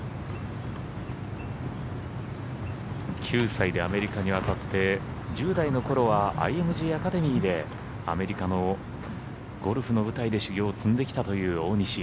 ９歳でアメリカに渡って１０代のころはＩＭＧアカデミーでアメリカのゴルフの舞台で修業を積んできたという大西。